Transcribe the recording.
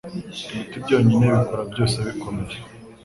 ibiti byonyine bikura byose bikomeye